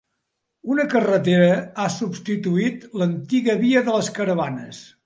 Una carretera ha substituït l'antiga via de les caravanes.